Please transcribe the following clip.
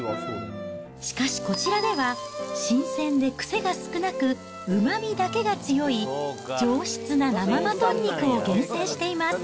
しかし、こちらでは新鮮で癖が少なく、うまみだけが強い、上質な生マトン肉を厳選しています。